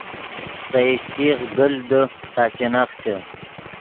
سے ایشچیغ گیل دے تا چے نخچے